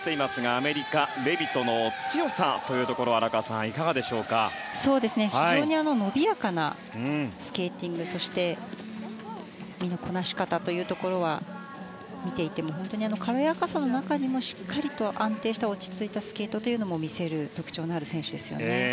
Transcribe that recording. アメリカ、レビトの強さは伸びやかなスケーティングそして身のこなし方というのは見ていても軽やかさの中にもしっかりと安定した落ち着いたスケートというのも見せる特徴のある選手ですね。